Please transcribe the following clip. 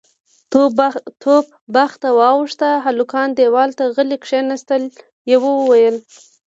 توپ باغ ته واوښت، هلکان دېوال ته غلي کېناستل، يوه وويل: